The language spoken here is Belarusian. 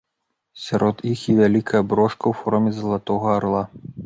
Сярод іх і вялікая брошка ў форме залатога арла.